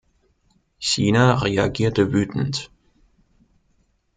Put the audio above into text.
China reagierte wütend.